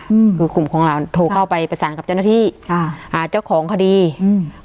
อืมคือกลุ่มของเราโทรเข้าไปประสานกับเจ้าหน้าที่ค่ะอ่าเจ้าของคดีอืม